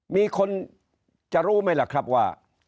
มีคนจะรู้ไหมล่ะครับว่า